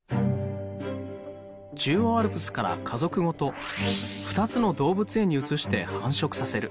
中央アルプスから家族ごと２つの動物園に移して繁殖させる。